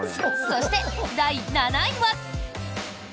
そして、第７位は。